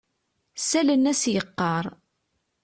Ssalen-as yeqqar.